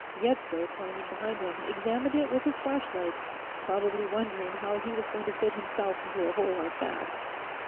Yetsko, climbing behind him, examined it with his flashlight, probably wondering how he was going to fit himself into a hole like that.